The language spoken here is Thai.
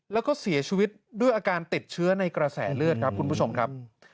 แล้วก็เสียชีวิตด้วยอาการติดเชื้อในกระแสเลือดครับ